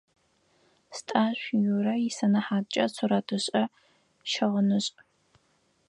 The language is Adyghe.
Стӏашъу Юрэ исэнэхьаткӏэ сурэтышӏэ-щыгъынышӏ.